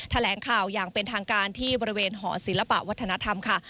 แถลงข่าวอย่างเป็นทางการที่บริเวณหอศิลปะวัฒนธรรมค่ะ